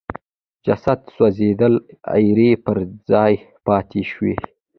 جسد سوځېد ایرې پر ځای پاتې شوې.